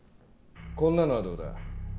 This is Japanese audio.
こんなのはどうだ？